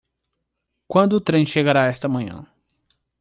Quando o trem chegará esta manhã?